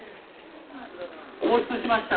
放出しました。